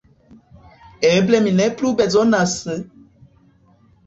Eble mi ne plu bezonas…